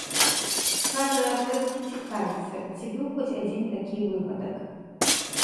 Кажа, трэба пацікавіцца, ці быў хоць адзін такі выпадак.